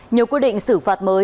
nhiều quy định xử phạt mới